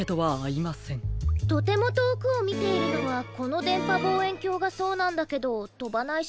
とてもとおくをみているのはこのでんぱぼうえんきょうがそうなんだけどとばないし。